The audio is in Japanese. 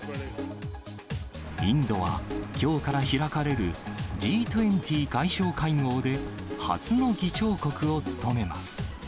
インドはきょうから開かれるＧ２０外相会合で初の議長国を務めます。